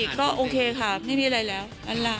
ก็โอเคค่ะไม่มีอะไรแล้ว